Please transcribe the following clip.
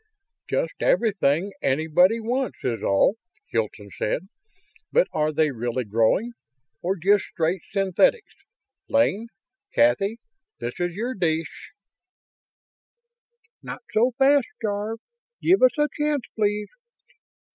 "Just everything anybody wants, is all," Hilton said. "But are they really growing? Or just straight synthetics? Lane Kathy this is your dish." "Not so fast, Jarve; give us a chance, please!"